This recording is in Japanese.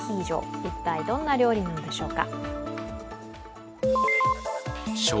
一体、どんな料理なのでしょうか。